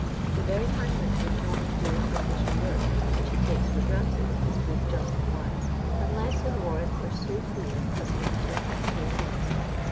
^he very hangman would not do his official work, which he takes for granted is both just and wise, unless his warrant were 80 clear as not to admit two meanings.